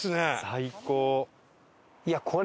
最高。